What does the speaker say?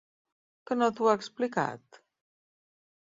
Que no t'ho ha explicat?